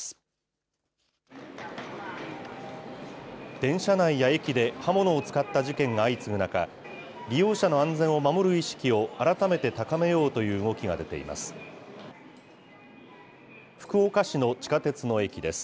電車内や駅で刃物を使った事件が相次ぐ中、利用者の安全を守る意識を改めて高めようという動きが出ています。